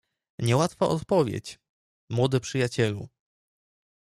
"Nie łatwa odpowiedź, młody przyjacielu!"